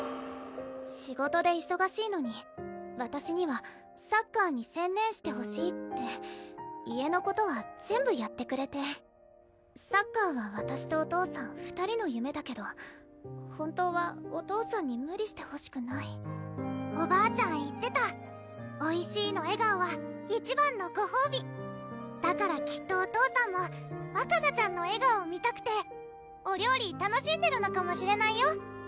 仕事でいそがしいのにわたしにはサッカーに専念してほしいって家のことは全部やってくれてサッカーはわたしとお父さん２人の夢だけど本当はお父さんに無理してほしくないおばあちゃん言ってただからきっとお父さんもわかなちゃんの笑顔を見たくてお料理楽しんでるのかもしれないよ？